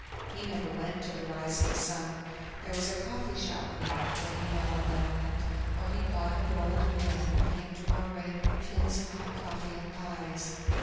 He never went to the Rising Sun; there was a coffee shop near, where he now and then went, or he bought of an old man, who came to our rank with tins of hot coffee and pies.